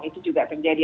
itu juga terjadi